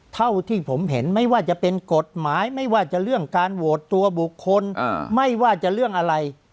เท่าที่ผมเห็นไม่ว่าจะเป็นกฎหมายไม่ว่าจะเรื่องการโหวตตัวบุคคลไม่ว่าจะเรื่องอะไร